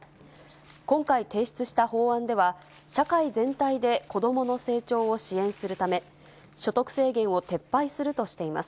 今回、提出した法案では、社会全体で子どもの成長を支援するため、所得制限を撤廃するとしています。